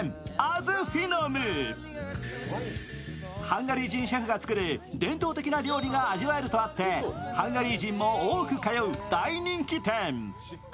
ハンガリー人シェフが作る伝統的な料理が味わえるとあってハンガリー人も多く通う大人気店。